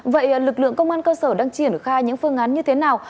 vậy lực lượng công an cơ sở đang triển khai những phương án như thế nào